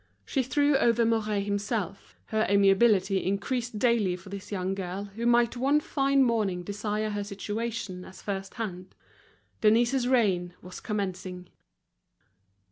She threw over Mouret himself, her amiability increased daily for this young girl who might one fine morning desire her situation as first hand. Denise's reign was commencing.